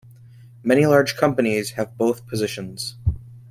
Many large companies have both positions.